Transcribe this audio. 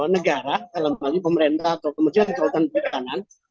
negara kemudian pemerintah kemudian kelautan pertanian